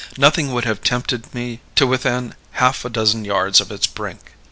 Nothing would have tempted me to within half a dozen yards of its brink.